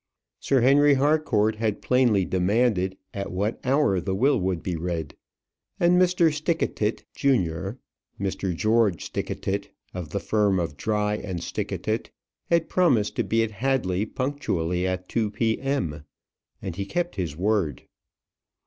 Sir Henry Harcourt had plainly demanded at what hour the will would be read; and Mr. Stickatit, junior Mr. George Stickatit of the firm of Dry and Stickatit, had promised to be at Hadley punctually at two P.M. And he kept his word.